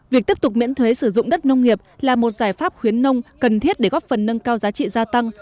việc tiếp tục miễn thuế sử dụng đất nông nghiệp là một giải pháp khuyến nông cần thiết để góp phần nâng cao giá trị gia tăng